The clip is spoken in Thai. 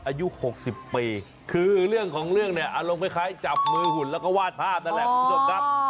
อายุ๖๐ปีคือเรื่องของเรื่องเนี่ยอารมณ์คล้ายจับมือหุ่นแล้วก็วาดภาพนั่นแหละคุณผู้ชมครับ